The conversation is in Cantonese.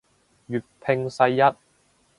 粵拼世一